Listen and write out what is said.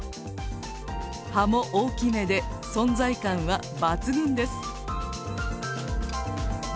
葉も大きめで存在感は抜群です。